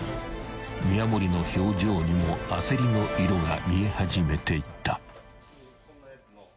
［宮守の表情にも焦りの色が見え始めていた］